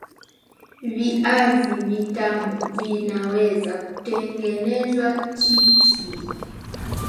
Viazi vitamu vinaweza kutengenezwa chips